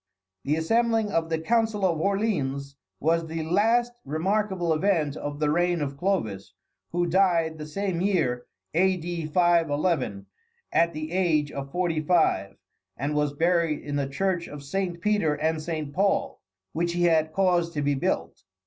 The assembling of the Council of Orleans was the last remarkable event of the reign of Clovis, who died the same year, A.D. 511, at the age of forty five, and was buried in the church of Saint Peter and Saint Paul, which he had caused to be built.